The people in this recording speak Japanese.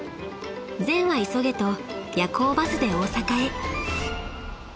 ［善は急げと夜行バスで大阪へ］